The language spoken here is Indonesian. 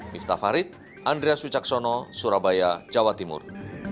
mistafarit andreas wicaksono surabaya jawa timur